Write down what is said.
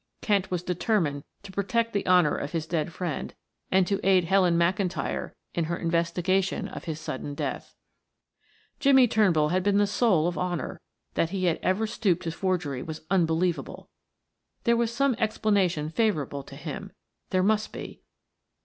Kent was determined to protect the honor of his dead friend, and to aid Helen McIntyre in her investigation of his sudden death. Jimmie Turnbull had been the soul of honor; that he had ever stooped to forgery was unbelievable. There was some explanation favorable to him there must be.